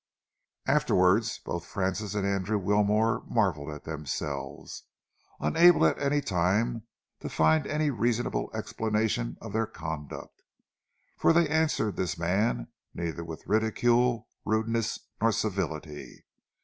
Afterwards, both Francis and Andrew Wilmore marvelled at themselves, unable at any time to find any reasonable explanation of their conduct, for they answered this man neither with ridicule, rudeness nor civility.